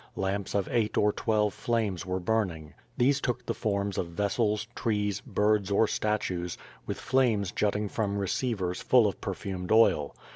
Lamps of eight or twelve flames were burning. These took the forms of vessels, trees, birds or stat ues, with flames jutting from receivers full of perfumed oil.